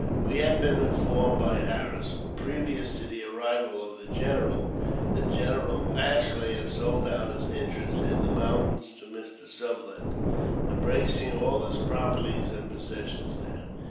We had been informed by Harris, previous to the arrival of the general, that General Ashley had sold out his interest in the mountains to Mr. Sublet, embracing all his properties and possessions there.